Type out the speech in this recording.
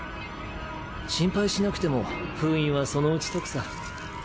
心配しなくても封印はそのうち解くさ。